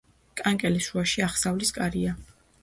კანკელის შუაში აღსავლის კარია.